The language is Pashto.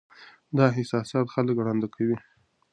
دا احساسات خلک ړانده کوي.